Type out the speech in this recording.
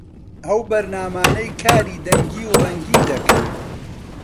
ئەو بەرنامانەی کاری دەنگی و ڕەنگی دەکەن